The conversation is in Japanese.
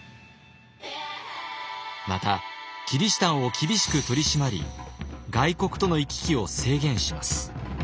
またキリシタンを厳しく取り締まり外国との行き来を制限します。